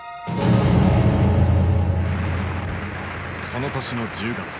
その年の１０月。